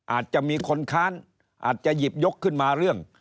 อาจจะมีคนค้านอาจจะหยิบยกขึ้นมาเรื่อง